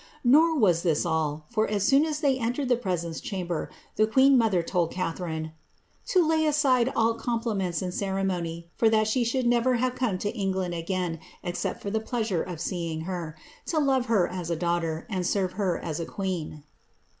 Nor was this all, for as soon as they entered the presence chamber, the queen mother told Catharine ^ to lay aside all compliments and ceremony, for that she should never have come to England again except for the pleasure of seeing her, to love her as a daughter, and serve her as a queen."